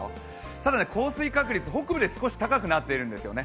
ただ、降水確率、北部で少し高くなっているんですよね。